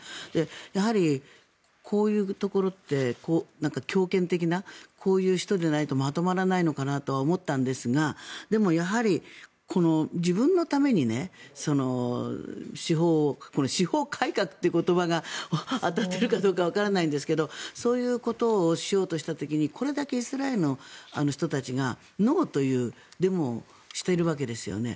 やはり、こういうところって強権的な、こういう人でないとまとまらないのかなとは思ったんですがでも、やはり自分のためにこの司法改革という言葉が当たっているかわからないですがそういうことをしようとした時にこれだけイスラエルの人たちがノーというデモをしているわけですよね。